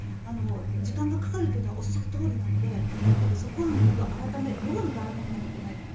時間がかかるというのはおっしゃるとおりなのでそこはどうにか改めないといけない。